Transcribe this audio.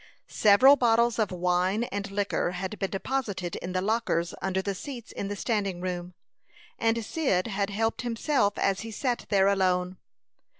Several bottles of wine and liquor had been deposited in the lockers under the seats in the standing room, and Cyd had helped himself as he sat there alone.